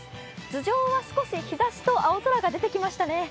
頭上は少し日ざしと青空が出てきましたね。